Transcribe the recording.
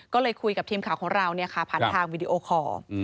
ก็เลยคุยกับทีมข่าวของเราผ่านทางวิดีโอคอร์